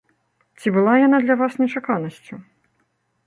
Ці была яна для вас нечаканасцю?